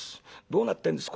どうなってんです？